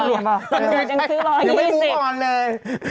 เลยดูก่อนเลย